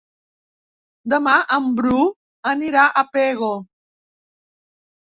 Demà en Bru anirà a Pego.